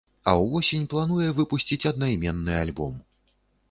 А ўвосень плануе выпусціць аднайменны альбом.